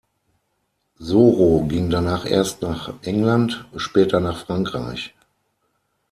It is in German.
Soro ging danach erst nach England, später nach Frankreich.